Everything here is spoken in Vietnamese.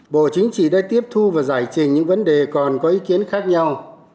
bộ chính trị đã tiếp thu và giải trình những vấn đề còn có ý kiến khác nhau